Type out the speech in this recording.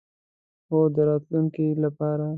هو، د راتلونکی لپاره